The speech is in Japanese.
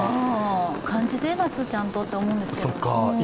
感じてよちゃんと夏って思うんですけど。